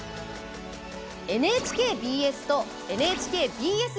ＮＨＫＢＳとＮＨＫＢＳ